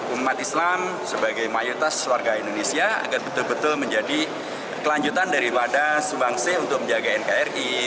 umat islam sebagai mayoritas warga indonesia agar betul betul menjadi kelanjutan daripada subangsi untuk menjaga nkri